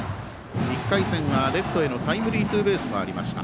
１回戦はレフトへのタイムリーツーベースもありました。